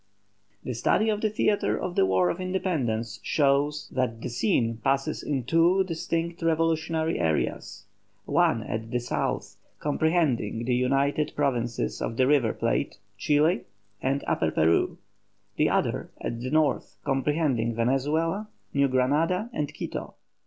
The study of the theatre of the war of independence shows that the scene passes in two distinct revolutionary areas one at the south, comprehending the United Provinces of the River Plate, Chile, and Upper Peru; the other, at the north, comprehending Venezuela, New Granada, and Quito.